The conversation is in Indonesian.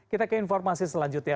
kita ke informasi selanjutnya